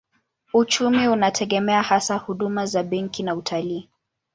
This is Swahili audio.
Uchumi unategemea hasa huduma za benki na utalii.